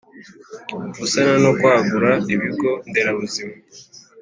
Gusana no kwagura ibigo nderabuzima